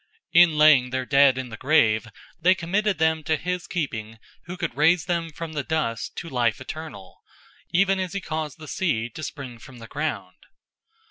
In laying their dead in the grave they committed them to his keeping who could raise them from the dust to life eternal, even as he caused the seed to spring from the ground.